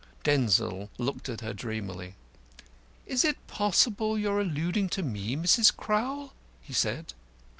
Denzil looked at her dreamily. "Is it possible you are alluding to me, Mrs. Crowl?" he said.